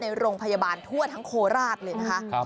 ในโรงพยาบาลทั่วทั้งโคราชเลยนะคะ